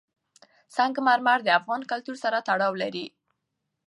سنگ مرمر د افغان کلتور سره تړاو لري.